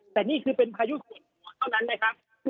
แต่นี่คือเป็นพายุส่วนหัวเท่านั้นนะครับ